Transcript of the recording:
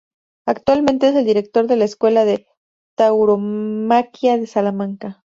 Actualmente es el director de la Escuela de Tauromaquia de Salamanca.